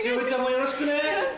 よろしくお願いします。